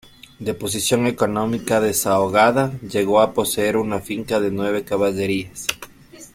De posición económica desahogada, llegó a poseer una finca de nueve caballerías.